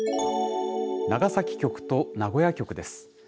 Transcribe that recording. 長崎局と名古屋局です。